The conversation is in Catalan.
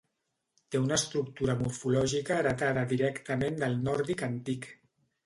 Té una estructura morfològica heretada directament del nòrdic antic.